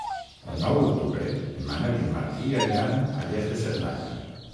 El nou d'octubre en Manel i en Martí aniran a Lles de Cerdanya.